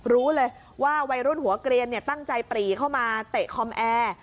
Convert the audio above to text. รู้เลยว่าวัยรุ่นหัวเกลียนตั้งใจปรีเข้ามาเตะคอมแอร์